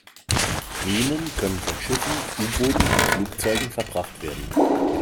Minen können von Schiffen, U-Booten und Flugzeugen verbracht werden.